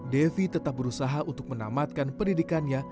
devi tetap berusaha untuk menamatkan pendidikannya